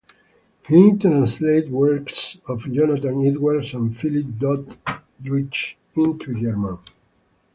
He translated works of Jonathan Edwards and Philip Doddridge into German.